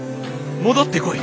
戻ってこい！』